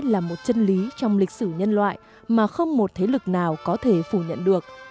là một chân lý trong lịch sử nhân loại mà không một thế lực nào có thể phủ nhận được